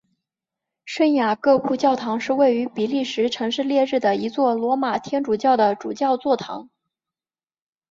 圣雅各布教堂是位于比利时城市列日的一座罗马天主教的主教座堂。